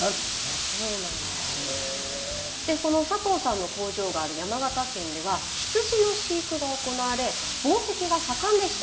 この佐藤さんの工場がある山形県では羊の飼育が行われ紡績が盛んでした。